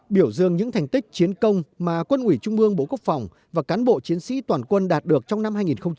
biểu dương những thành tích chiến công mà quân ủy trung ương bộ quốc phòng và cán bộ chiến sĩ toàn quân đạt được trong năm hai nghìn một mươi tám